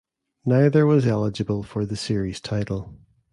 Neither was eligible for the series title.